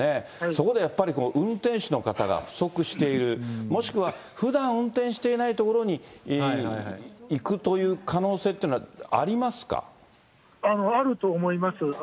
そこでやっぱり、運転手の方が不足している、もしくは、ふだん運転していない所に行くという可能性っていうのはありますあると思います。